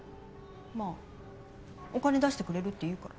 まあお金出してくれるって言うから。